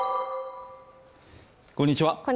こんにちは